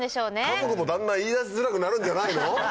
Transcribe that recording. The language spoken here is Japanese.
家族もだんだん言い出しづらくなるんじゃないの？